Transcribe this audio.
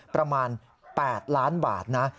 ประมาณ๘ล้านบาทนะ